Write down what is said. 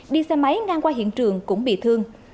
đi xe máy ngang qua hiện trường cũng bị thương